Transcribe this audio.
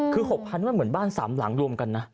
คือ๖๐๐มันเหมือนบ้าน๓หลังรวมกันนะ